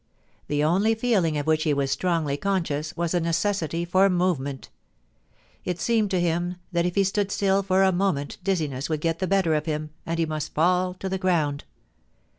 The only feeling of which he was strongly conscious was a necessity for movement It seemed to him that if he THE ORDEAL. 397 stood still for a moment dizziness would get the better of him, and he must fall to the ground.